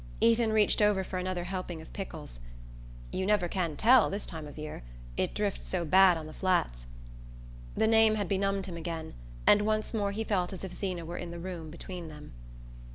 Ethan reached over for another helping of pickles. "You never can tell, this time of year, it drifts so bad on the Flats." The name had benumbed him again, and once more he felt as if Zeena were in the room between them.